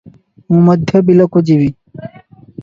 ମୁଁ ମଧ୍ୟ ବିଲକୁ ଯିବି ।